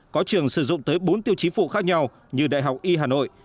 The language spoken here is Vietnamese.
có trường sử dụng tới bốn tiêu chí phụ khác nhau như đại học y hà nội